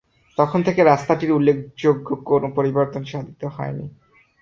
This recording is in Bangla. তখন থেকে রাস্তাটির উল্লেখযোগ্য কোন পরিবর্তন সাধিত হয়নি।